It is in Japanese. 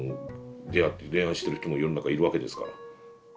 出会って恋愛してる人も世の中いるわけですから。